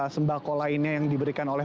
sembako lainnya yang diberikan oleh